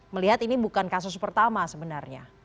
melihat ini bukan kasus pertama sebenarnya